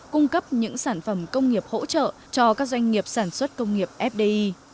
cung cấp những sản phẩm công nghiệp hỗ trợ cho các doanh nghiệp sản xuất công nghiệp fdi